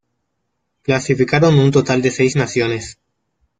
Clasificaron un total de seis naciones.